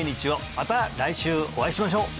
また来週お会いしましょう